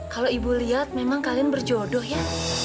kalau ibu lihat memang kalian berjodoh ya